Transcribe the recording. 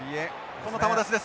ここも球出しです。